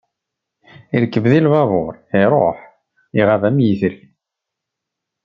Yerkeb di lbabur, iruḥ, iɣab am yetri.